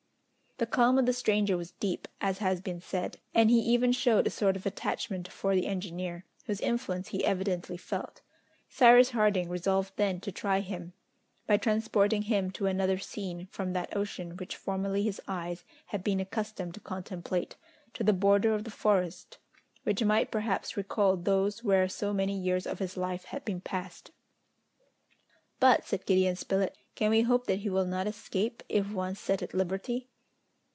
The calm of the stranger was deep, as has been said, and he even showed a sort of attachment for the engineer, whose influence he evidently felt. Cyrus Harding resolved then to try him, by transporting him to another scene, from that ocean which formerly his eyes had been accustomed to contemplate, to the border of the forest, which might perhaps recall those where so many years of his life had been passed! "But," said Gideon Spilett, "can we hope that he will not escape, if once set at liberty?"